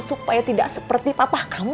supaya tidak seperti papa kamu